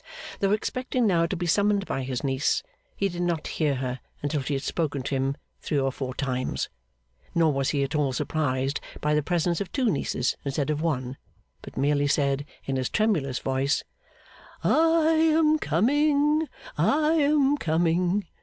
Though expecting now to be summoned by his niece, he did not hear her until she had spoken to him three or four times; nor was he at all surprised by the presence of two nieces instead of one, but merely said in his tremulous voice, 'I am coming, I am coming!